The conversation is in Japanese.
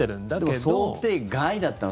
でも想定外だったの？